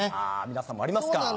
皆さんもありますか？